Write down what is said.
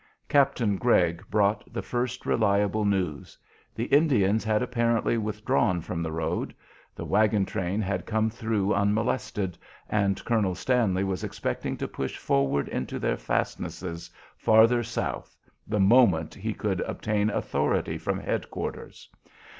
Captain Gregg brought the first reliable news. The Indians had apparently withdrawn from the road. The wagon train had come through unmolested, and Colonel Stanley was expecting to push forward into their fastnesses farther south the moment he could obtain authority from head quarters.